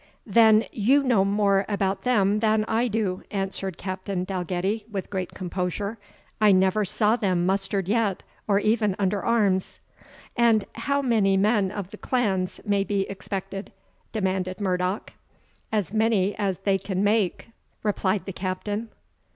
"Then you know more about them than I do," answered Captain Dalgetty, with great composure. "I never saw them mustered yet, or even under arms." "And how many men of the clans may be expected?" demanded Murdoch. "As many as they can make," replied the Captain.